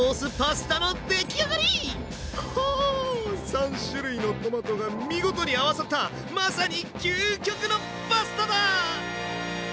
３種類のトマトが見事に合わさったまさに究極のパスタだ！